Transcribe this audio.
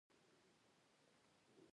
دا خو نو ډيره عجیبه وشوه